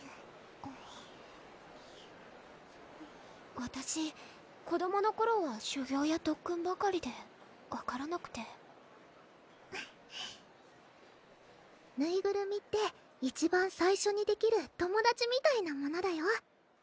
わたし子どもの頃は修業や特訓ばかりで分からなくてフフッぬいぐるみって一番最初にできる友達みたいなものだよ